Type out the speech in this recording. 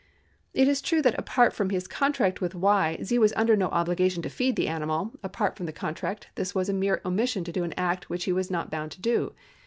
It is true that, apart from his contract with Y., Z. was under no obligation to feed the animal ; apart from the contract, this was a mere omission to do an act which he was not bound to do.